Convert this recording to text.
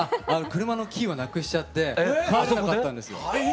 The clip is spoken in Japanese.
車のキーをなくしちゃって帰れなかったんですよ。